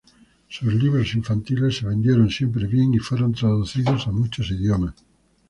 Sus libros infantiles se vendieron siempre bien y fueron traducidos a muchos idiomas.